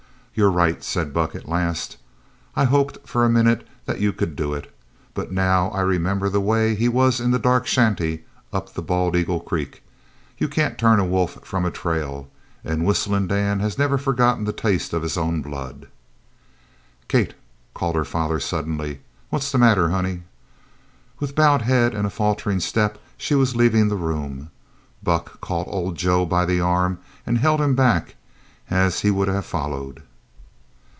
"You're right," said Buck at last. "I hoped for a minute that you could do it, but now I remember the way he was in that dark shanty up the Bald eagle Creek. You can't turn a wolf from a trail, and Whistling Dan has never forgotten the taste of his own blood." "Kate!" called her father suddenly. "What's the matter, honey?" With bowed head and a faltering step she was leaving the room. Buck caught old Joe by the arm and held him back as he would have followed.